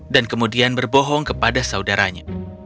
dan kemudian berbohong kepada saudaranya